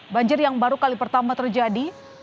banjir yang baru kali pertama terjadi di jawa tengah